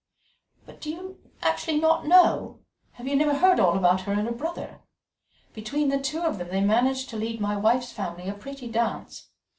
"But do you actually not know? Have you never heard all about her and her brother? Between the two of them they managed to lead my wife's family a pretty dance.